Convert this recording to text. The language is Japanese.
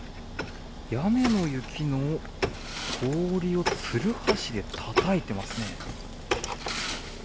屋根の雪の氷をつるはしでたたいていますね。